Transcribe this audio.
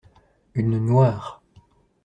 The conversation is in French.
Une noire.